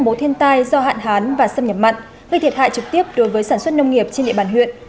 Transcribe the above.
mùa thiên tai do hạn hán và xâm nhập mặn gây thiệt hại trực tiếp đối với sản xuất nông nghiệp trên địa bàn huyện